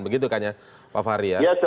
begitu kan ya pak fahri ya